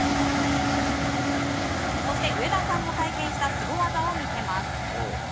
そして、上田さんも体験したスゴ技を見せます。